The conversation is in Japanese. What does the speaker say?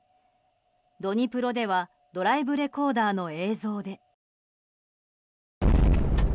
ドニプロではドライブレコーダーの映像で。